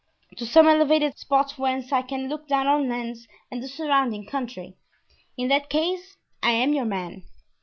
"To some elevated spot whence I can look down on Lens and the surrounding country——" "In that case, I'm your man."